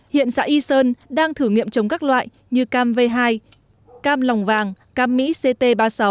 hiện xã y sơn đang thử nghiệm trồng các loại như cam v hai cam lòng vàng cam mỹ ct ba mươi sáu